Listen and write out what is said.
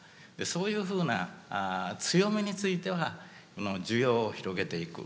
そういうふうな強みについては需要を広げていく。